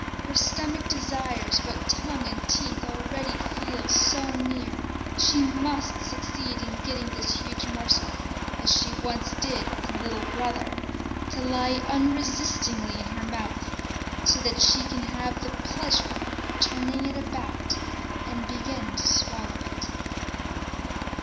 Her stomach desires what tongue and teeth already feel so near; she must succeed in getting this huge morsel as she once did with her little brother to lie unresistingly in her mouth, so that she can have the pleasure of turning it about and begin to swallow it.